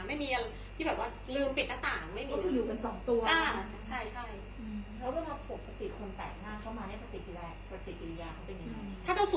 ไม่มีอะไรที่ลืมปิดหน้าต่าง